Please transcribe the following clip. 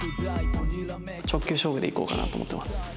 直球勝負でいこうかなと思ってます。